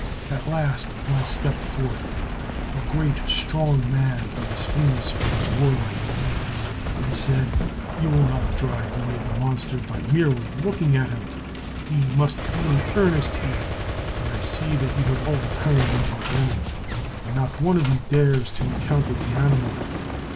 At last one stepped forth; a great strong man who was famous for his warlike deeds, and said, "You will not drive away the monster by merely looking at him; we must be in earnest here, but I see that you have all tuned into women, and not one of you dares to encounter the animal."